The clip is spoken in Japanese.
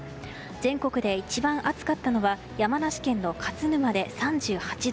全国で一番暑かったのは山梨県の勝沼で３８度。